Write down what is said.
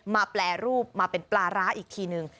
แปรรูปมาเป็นปลาร้าอีกทีนึง